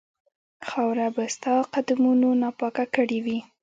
خاوره به ستا قدمونو ناپاکه کړې وي.